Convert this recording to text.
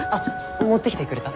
持ってきてくれた？